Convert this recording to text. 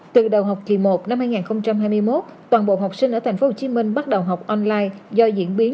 từ đầu học kỳ một năm hai nghìn hai mươi một toàn bộ học sinh ở tp hcm bắt đầu học online do diễn biến